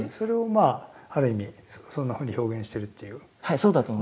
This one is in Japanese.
そうだと思います。